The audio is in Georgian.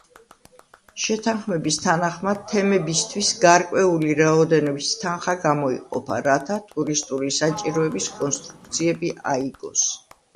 შეთანხმების თანახმად, თემებისთვის გარკვეული რაოდენობის თანხა გამოიყოფა, რათა ტურისტული საჭიროების კონსტრუქციები აიგოს.